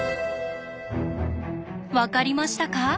わかりましたか？